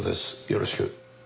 よろしく。